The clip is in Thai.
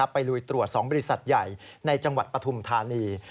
ลุยตรวจ๒บริษัทใหญ่ในจังหวัดปฐุมธานี